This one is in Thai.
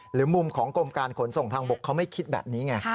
หรือมุมของกรมการขนส่งทางบกเขาไม่คิดแบบนี้ไง